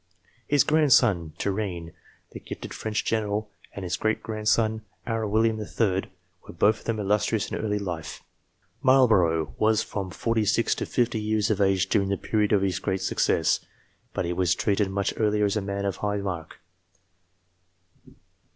His grandson, Turenne, the gifted French general, and his great grandson, our William III., were both of them illustrious in early life. Marlborough was from 46 to 50 years of age during the period of his greatest success, but he was treated much earlier as a man of high mark.